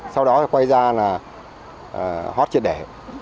sau đó quay ra là hót chết đẻ